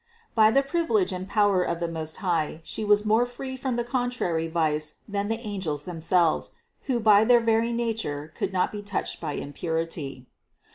By the privi lege and power of the Most High She was more free from the contrary vice than the angels themselves, who by their very nature could not be touched by impurity.